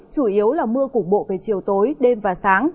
chủ yếu là mưa cục bộ về chiều tối đêm và sáng